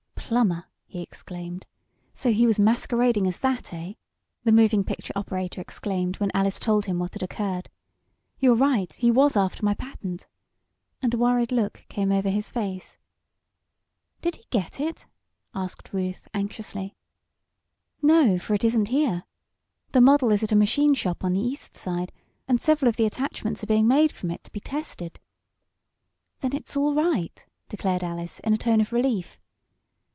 "Plumber!" he exclaimed. "So he was masquerading as that; eh?" the moving picture operator exclaimed when Alice told him what had occurred. "You're right, he was after my patent," and a worried look came over his face. "Did he get it?" asked Ruth, anxiously. "No, for it isn't here. The model is at a machine shop on the East Side, and several of the attachments are being made from it to be tested." "Then it's all right," declared Alice, in a tone of relief.